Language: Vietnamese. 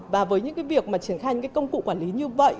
và với những việc triển khai những công cụ quản lý như vậy